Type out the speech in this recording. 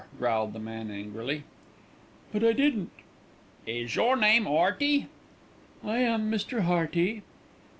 growled the man angrily. "But I didn't." "Is your name 'Earty?" "I am Mr. Hearty."